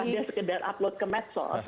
jadi pas dia sekedar upload ke mapsource